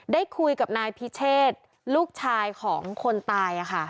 ได้คุยกับนายพิเชษลูกชายของคนตาย